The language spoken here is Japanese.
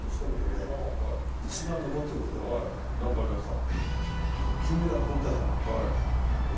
なんかありました？